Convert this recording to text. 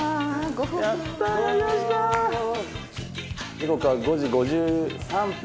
時刻は５時５３分。